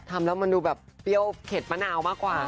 ทำแล้วมันดูแบบเปรี้ยวเข็ดมะนาวมากกว่า